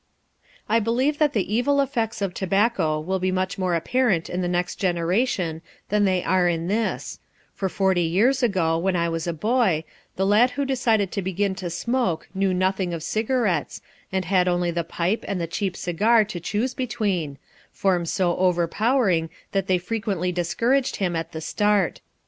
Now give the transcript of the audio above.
I believe that the evil effects of tobacco will be much more apparent in the next generation than they are in this; for forty years ago, when I was a boy, the lad who decided to begin to smoke knew nothing of cigarettes, and had only the pipe and the cheap cigar to choose between, forms so overpowering that they frequently discouraged him at the start.